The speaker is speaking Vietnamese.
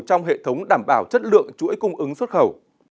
trong hệ thống đảm bảo chất lượng chuỗi cung ứng xuất khẩu